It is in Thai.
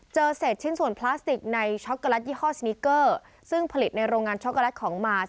เศษชิ้นส่วนพลาสติกในช็อกโกแลตยี่ห้อสนิกเกอร์ซึ่งผลิตในโรงงานช็อกโกแลตของมาส